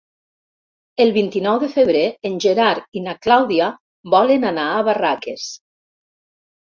El vint-i-nou de febrer en Gerard i na Clàudia volen anar a Barraques.